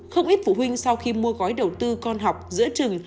không ít phụ huynh sau khi mua gói đầu tư con học giữa trường